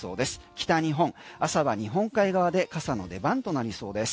北日本、朝は日本海側で傘の出番となりそうです。